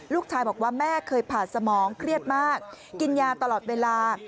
ลูกชายบอกว่าแม่เคยผ่านสมองเครียดมากกินยาตลอดเวลา